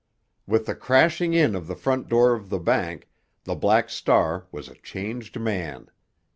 With the crashing in of the front door of the bank, the Black Star was a changed man.